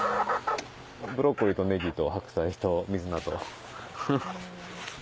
ブロッコリーとネギと白菜と水菜と。